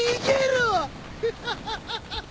フハハハ。